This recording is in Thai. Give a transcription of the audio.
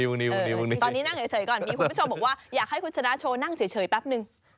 มีคุณผู้ชมบอกว่าอยากให้คุณชนะโชว์นั่งเฉยแป๊บนึง